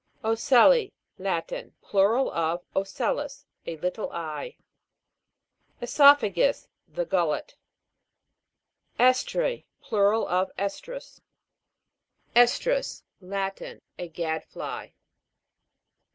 O'CELLI. Latin. Plural of ocellus, a little eye. CESO'PHAGUS. The gullet. (Es'TRi. Plural of CEstrus. Latin. A gad fly.